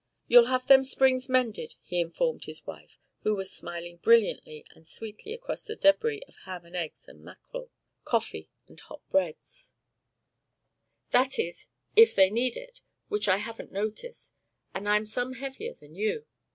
"You'll have them springs mended," he informed his wife, who was smiling brilliantly and sweetly across the debris of ham and eggs, salt mackerel, coffee and hot breads "that is, if they need it, which I haven't noticed, and I'm some heavier than you.